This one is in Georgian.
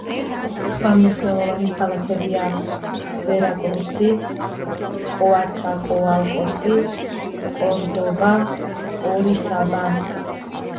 სხვა მნიშვნელოვანი ქალაქებია: ვერაკრუსი, კოაცაკოალკოსი, კორდობა, ორისაბა.